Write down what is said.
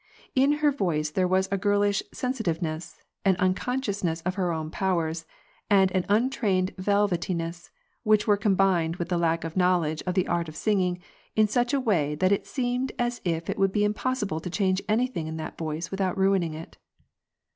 In her voice there was a girlish sensitiveness, an unconsciousness of its own powers, and an untrained velvetyness, which were combined with the lack of knowledge of the art of singing in such a way that it seemed as if it would be impossible to change anything in that voice without ruining it.